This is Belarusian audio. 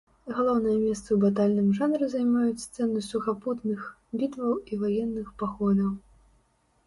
Галоўнае месца ў батальным жанры займаюць сцэны сухапутных, бітваў і ваенных паходаў.